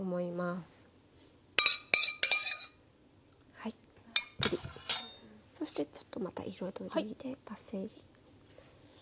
たっぷりそしてちょっとまた彩りでパセリ。